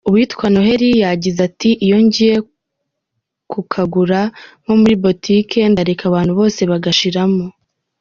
Uwitwa Noheli yagize ati "Iyo ngiye kukagura nko muri butike ndareka abantu bose bagashiramo.